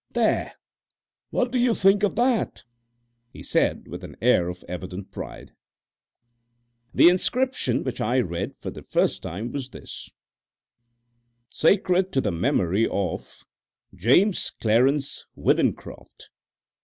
"There! what do you think of that?" he said, with an air of evident pride. The inscription which I read for the first time was this SACRED TO THE MEMORY OF JAMES CLARENCE WITHENCROFT.